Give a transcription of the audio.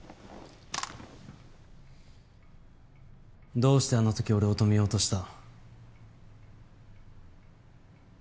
どうしてあの時俺を止めようとした？